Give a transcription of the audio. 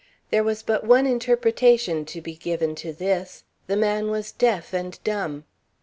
There was but one interpretation to be given to this. The man was deaf and dumb.